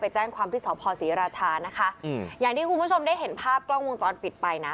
แจ้งความที่สพศรีราชานะคะอืมอย่างที่คุณผู้ชมได้เห็นภาพกล้องวงจรปิดไปนะ